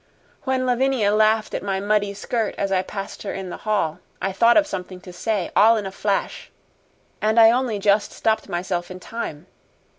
When Lavinia laughed at my muddy skirt as I passed her in the hall, I thought of something to say all in a flash and I only just stopped myself in time.